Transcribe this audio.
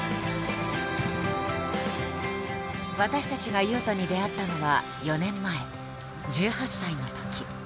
私たちが雄斗に出会ったのは４年前１８歳のとき。